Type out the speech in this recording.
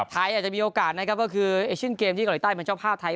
อาจจะมีโอกาสนะครับก็คือเอเชียนเกมที่เกาหลีใต้เป็นเจ้าภาพไทย